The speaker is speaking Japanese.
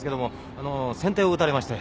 あの先手を打たれまして。